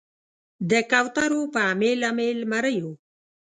د کوترو په امیل، امیل مریو